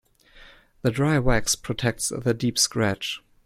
The dry wax protects the deep scratch.